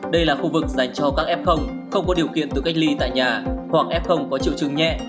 đây là khu vực dành cho các f không có điều kiện tự cách ly tại nhà hoặc f có triệu chứng nhẹ